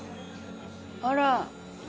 あら！